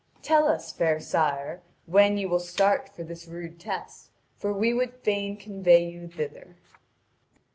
Tell us, fair sire, when you will start for this rude test, for we would fain convoy you thither.